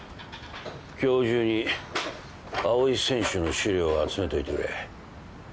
今日中に青井選手の資料を集めといてくれ。